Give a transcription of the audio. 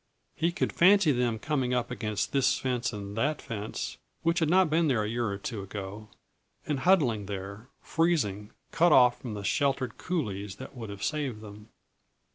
He could fancy them coming up against this fence and that fence, which had not been there a year or two ago, and huddling there, freezing, cut off from the sheltered coulées that would have saved them.